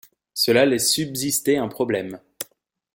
Cela laisse subsister un problème.